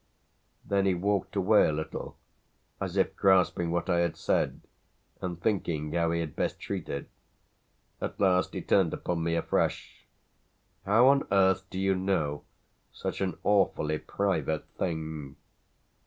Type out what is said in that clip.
Then he walked away a little, as if grasping what I had said and thinking how he had best treat it. At last he turned upon me afresh. "How on earth do you know such an awfully private thing?"